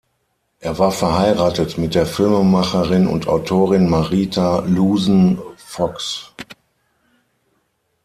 Er war verheiratet mit der Filmemacherin und Autorin Marita Loosen-Fox.